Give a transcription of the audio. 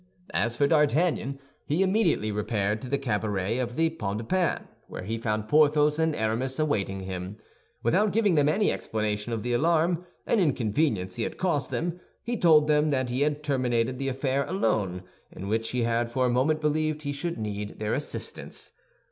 As for D'Artagnan, he immediately repaired to the cabaret of the Pomme de Pin, where he found Porthos and Aramis awaiting him. Without giving them any explanation of the alarm and inconvenience he had caused them, he told them that he had terminated the affair alone in which he had for a moment believed he should need their assistance.